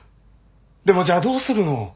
でもじゃあどうするの？